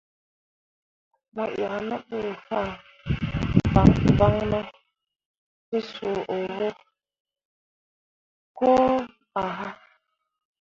Mo yah ne bu fah voŋno to sə oho koo ahah.